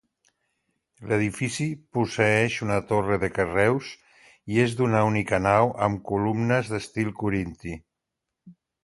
L'edifici posseïx una torre de carreus i és d'una única nau amb columnes d'estil corinti.